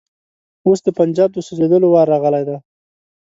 اوس د پنجاب د سوځېدلو وار راغلی دی.